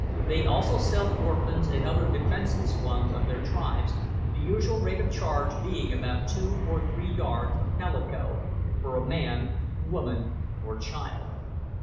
They also sell orphans and other defenceless ones of their tribes, the usual rate of charge being about two or three yards of calico for a man, woman, or child.